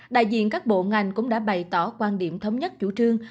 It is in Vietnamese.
đại diện các bộ ngành cũng đã bày tỏ quan điểm thống nhất chủ trương